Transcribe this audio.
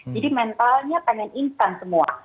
jadi mentalnya pengen instant semua